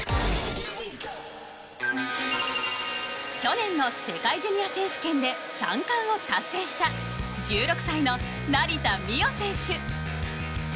去年の世界ジュニア選手権で３冠を達成した１６歳の成田実生選手。